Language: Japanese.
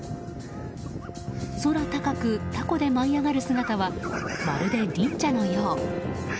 空高くたこで舞い上がる姿はまるで忍者のよう。